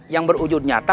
yang berujud nyata